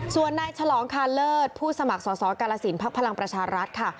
ส่วนนายฉลองคาเลิศผู้สมัครสอสอกาลสินภักดิ์พลังประชารัฐค่ะ